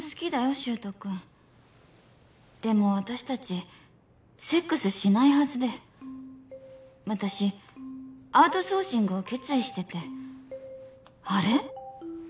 柊人君でも私達セックスしないはずで私アウトソーシングを決意しててあれ？